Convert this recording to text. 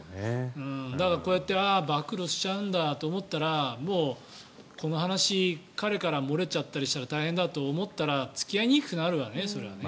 だからこうやって暴露しちゃうんだと思ったらもうこの話彼から漏れちゃったりしたら大変だと思ったら付き合いにくくなるわね。